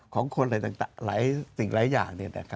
ของคนอะไรต่างหลายอย่าง